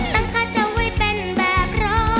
ตั้งค่าเจ้าไว้เป็นแบบรอ